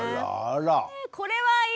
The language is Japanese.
これはいい！